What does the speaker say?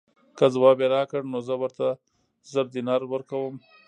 که ځواب یې راکړ نو زه ورته زر دیناره ورکووم.